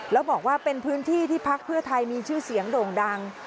แล้วบอกว่าเป็นพื้นที่ที่พักเพื่อไทยมีชื่อเสียงโด่งดัง